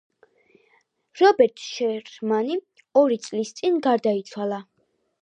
რობერტ შერმანი ორი წლის წინ გარდაიცვალა.